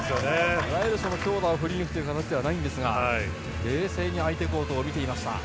いわゆる強打を振り抜くという形ではないんですが冷静に相手コートを見ていました。